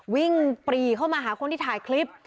ปรีเข้ามาหาคนที่ถ่ายคลิป